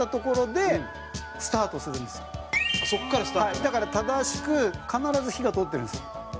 だから、正しく必ず火が通ってるんですよ。